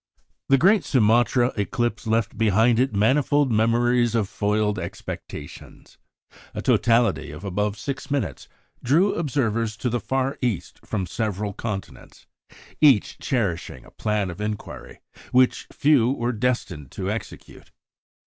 " The great Sumatra eclipse left behind it manifold memories of foiled expectations. A totality of above six minutes drew observers to the Far East from several continents, each cherishing a plan of inquiry which few were destined to execute.